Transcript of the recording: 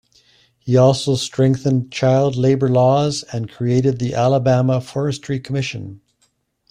He also strengthened child labor laws and created the Alabama Forestry Commission.